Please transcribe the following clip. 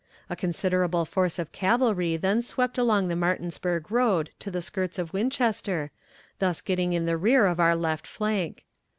A considerable force of cavalry then swept along the Martinsburg road to the skirts of Winchester, thus getting in the rear of our left flank.